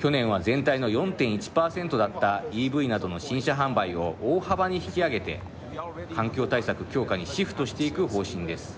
去年は全体の４．１％だったＥＶなどの新車販売を大幅に引き上げて環境対策強化にシフトしていく方針です。